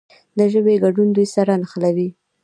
د ژبې ګډون دوی سره نښلوي.